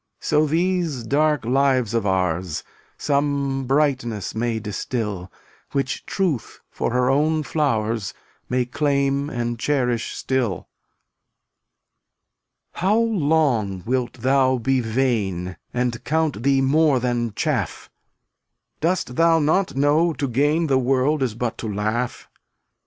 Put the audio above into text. So these dark lives of ours Some brightness may distil, Which Truth for her own flowers May claim and cherish still. 276 How long wilt thou be vain And count thee more than chaff? Dost thou not know to gain The world is but to laugh?